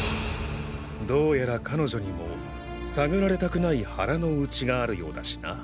どうやら彼女にも探られたくない腹の内があるようだしな。